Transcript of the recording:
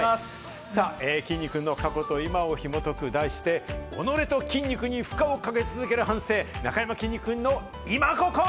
きんに君の過去と今をヒモトク、題して、己と筋肉に負荷をかけ続ける半生、なかやまきんに君のイマココ！